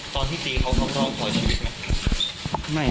ตอนที่ตีเขาเขาก็ลองคอยสติดไหม